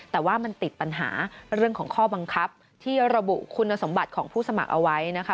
แต่ว่ามันติดปัญหาเรื่องของข้อบังคับที่ระบุคุณสมบัติของผู้สมัครเอาไว้นะคะ